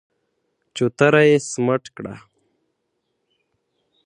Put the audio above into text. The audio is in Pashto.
چوتره يې سمټ کړه.